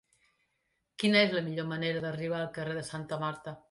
Quina és la millor manera d'arribar al carrer de Santa Marta?